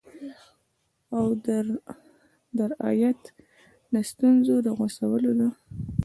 او درایت د ستونزو د غوڅولو ده